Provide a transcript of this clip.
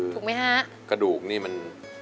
ถูกไหมฮะกระดูกนี่มัน